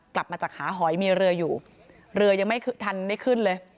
กลับมาจากหาหอยมีเรืออยู่เรือยังไม่ทันได้ขึ้นเลย